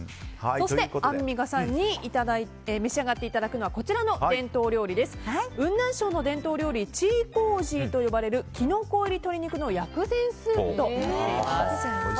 そしてアンミカさんに召し上がっていただくのは雲南省の伝統料理チーコージーと呼ばれるキノコ入り鶏肉の薬膳スープです。